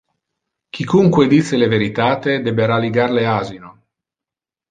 Quicunque dice le veritate debera ligar le asino.